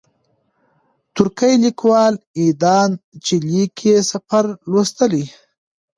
ترکی لیکوال ایدان چیلیک یې سفر لوستلی.